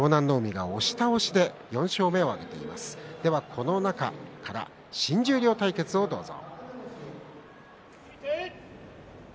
この中から新十両対決をどうぞ。